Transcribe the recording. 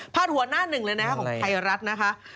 หัวหน้าหนึ่งเลยนะคะของไทยรัฐนะคะ